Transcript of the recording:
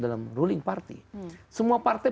dalam ruling party semua partai